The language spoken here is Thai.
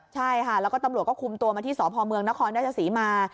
ใช่ค่ะแล้วก็ตำรวจก็คุมตัวมาที่สพเมืองนครราชศรีมา